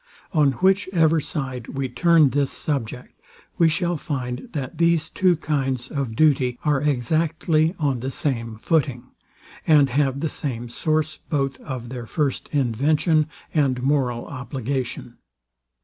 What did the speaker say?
On which ever side we turn this subject, we shall find, that these two kinds of duty are exactly on the same footing, and have the same source both of their first invention and moral obligation.